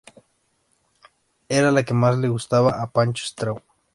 Era la que más le gustaba a Pancho Straub.